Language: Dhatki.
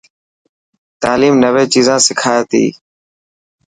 تعليم نوي چيزا سکائي تي.